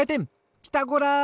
「ピタゴラ」！